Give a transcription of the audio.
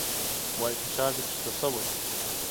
وايي فشار دې کښته شوى.